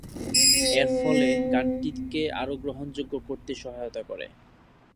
এরফলে গানটিকে আরও গ্রহণযোগ্য করতে সহায়তা করে।